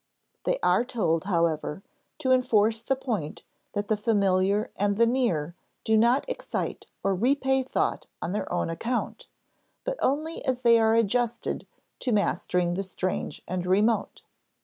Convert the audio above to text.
They are told, however, to enforce the point that the familiar and the near do not excite or repay thought on their own account, but only as they are adjusted to mastering the strange and remote.